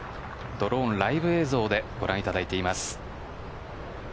ドローンライブ映像でご覧いただいています。